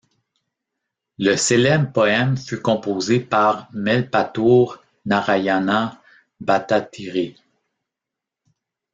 Le célèbre poème fut composé par Melpathur Narayana Bhattathiri.